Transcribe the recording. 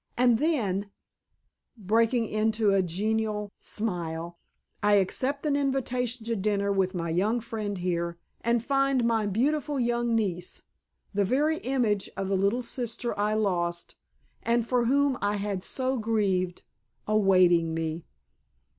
And then," breaking into a genial smile, "I accept an invitation to dinner with my young friend here, and find my beautiful young niece—the very image of the little sister I lost and for whom I had so grieved—awaiting me!